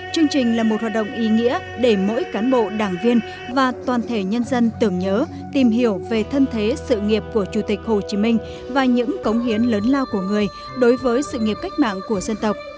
chương trình là một hoạt động ý nghĩa để mỗi cán bộ đảng viên và toàn thể nhân dân tưởng nhớ tìm hiểu về thân thế sự nghiệp của chủ tịch hồ chí minh và những cống hiến lớn lao của người đối với sự nghiệp cách mạng của dân tộc